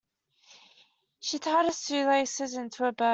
She tied her shoelaces into a bow.